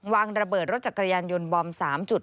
วางระเบิดรถจักรยานยนต์บอม๓จุด